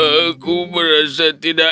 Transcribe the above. aku merasa tidak